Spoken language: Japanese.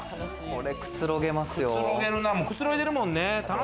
これくつろげますよ。